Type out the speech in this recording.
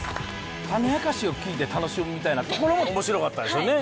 種明かしを聞いて楽しむみたいなところもおもしろかったですよね。